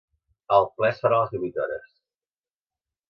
El ple es farà a les divuit hores.